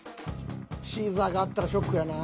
シーザーがあったらショックやな。